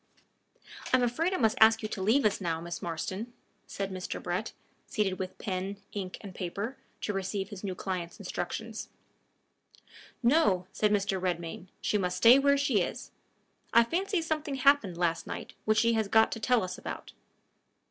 "I am afraid I must ask you to leave us now, Miss Marston," said Mr. Brett, seated with pen, ink, and paper, to receive his new client's instructions. "No," said Mr. Redmain; "she must stay where she is. I fancy something happened last night which she has got to tell us about."